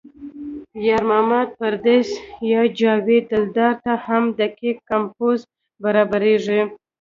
یار محمد پردیس یا جاوید دلدار ته هم دقیق کمپوز برابرېږي.